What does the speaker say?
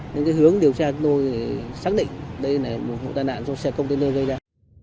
nhưng cái hướng điều tra chúng tôi xác định đây là một tai nạn cho xe container gây ra